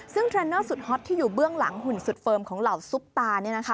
ซึ่งเทรนเนอร์สุดฮอตที่อยู่เบื้องหลังหุ่นสุดเฟิร์มของเหล่าซุปตา